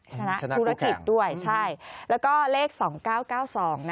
ชนะธุรกิจด้วยใช่แล้วก็เลข๒๙๙๒นะคะคุณผู้ค้าชนะธุรกิจด้วยใช่